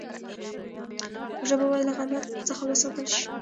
ژبه باید له غفلت څخه وساتل سي.